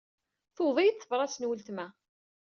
Tewweḍ-iyi-d tebrat n ultma.